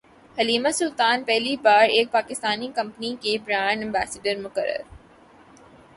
Halima Sultan پہلی بار ایک پاکستانی کمپنی کی برانڈ ایمبیسڈر مقرر